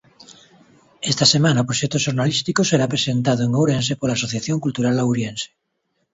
Esta semana, o proxecto xornalístico será presentado en Ourense pola Asociación Cultural Auriense.